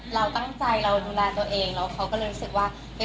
เราตั้งใจเราดูแลตัวเองแล้วเขาก็เลยรู้สึกว่า